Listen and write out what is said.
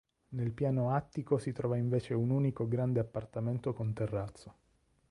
Nel piano attico si trova invece un unico grande appartamento con terrazzo.